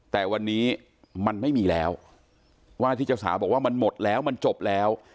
แต่วันนี้มันไม่มีแล้วว่าที่เจ้าสาวบอกว่ามันหมดแล้วมันจบแล้ว